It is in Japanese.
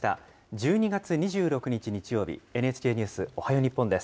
１２月２６日日曜日、ＮＨＫニュースおはよう日本です。